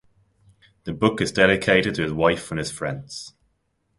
The book is dedicated to his wife and his friends.